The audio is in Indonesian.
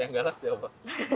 yang galak siapa